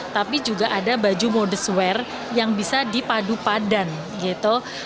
tapi juga ada baju modest wear yang bisa dipadu padan gitu